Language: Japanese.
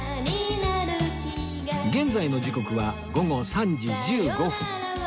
現在の時刻は午後３時１５分